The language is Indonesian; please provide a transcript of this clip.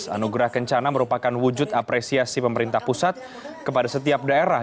anugerah kencana merupakan wujud apresiasi pemerintah pusat kepada setiap daerah